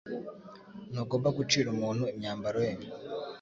Ntugomba gucira umuntu imyambaro ye.